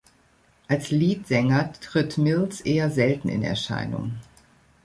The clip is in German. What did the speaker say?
Als Leadsänger tritt Mills eher selten in Erscheinung.